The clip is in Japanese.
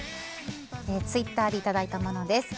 ツイッターでいただいたものです。